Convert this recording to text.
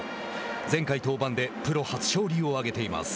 前回登板でプロ初勝利を挙げています。